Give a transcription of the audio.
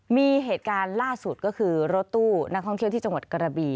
มีเหตุการณ์ล่าสุดก็คือรถตู้นักท่องเที่ยวที่จังหวัดกระบี